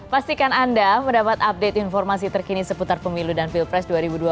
pastikan anda mendapat update informasi terkini seputar pemilu dan pilpres dua ribu dua puluh